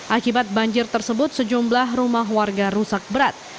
akibat banjir tersebut sejumlah rumah warga rusak berat